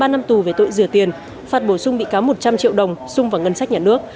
ba năm tù về tội rửa tiền phạt bổ sung bị cáo một trăm linh triệu đồng xung vào ngân sách nhà nước